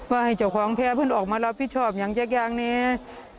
ว่าให้จักรของเพิวเพิ่มน้ำออกมารับผิดชอบอย่างแจ็กอย่างเนี่ย